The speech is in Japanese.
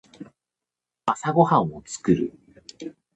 朝ごはんを作る。